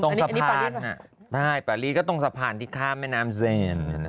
ตรงสะพานใช่ปารีก็ตรงสะพานที่ข้ามแม่น้ำเซน